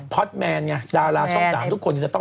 พอตแมนไงดาราช่อง๓ทุกคนจะต้อง